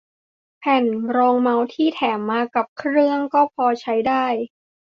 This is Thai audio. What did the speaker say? แผ่นรองเมาส์ที่แถมมากับเครื่องก็พอใช้ได้